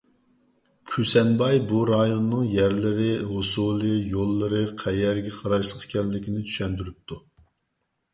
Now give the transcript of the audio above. كۈسەنباي بۇ رايوننىڭ يەرلىرى، ھوسۇلى، يوللىرى، قەيەرگە قاراشلىق ئىكەنلىكىنى چۈشەندۈرۈپتۇ.